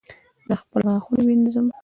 زه خپل غاښونه وینځم